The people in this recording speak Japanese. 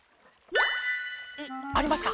ありますか？